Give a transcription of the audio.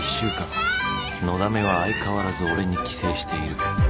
だめは相変わらず俺に寄生している］